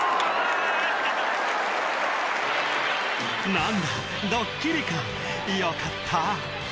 「何だドッキリかよかった」